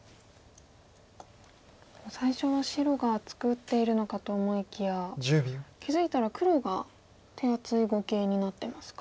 最初は白が作っているのかと思いきや気付いたら黒が手厚い碁形になってますか。